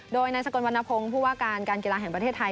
โดยนายสกลวรรณพงศ์ผู้ว่าการการกีฬาแห่งประเทศไทย